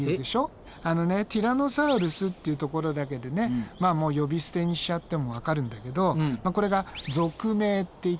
あのねティラノサウルスっていうところだけでね呼び捨てにしちゃってもわかるんだけどこれが属名っていってね